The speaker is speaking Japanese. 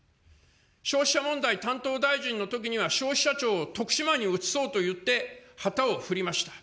消費者問題担当大臣のときには、消費者庁を徳島に移そうと言って、旗を振りました。